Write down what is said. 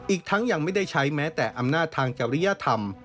อีกทั้งยังไม่ได้ใช้แม้แต่อำนาจทางจริยธรรม